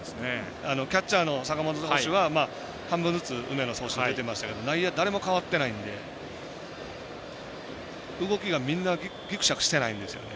キャッチャーの坂本捕手は半分ずつ、梅野捕手と出ていましたけど内野、誰も変わってないので動きが、みんなギクシャクしてないんですよね。